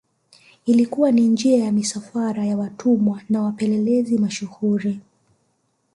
Ilikuwa ni njia ya misafara ya watumwa na wapelelezi mashuhuri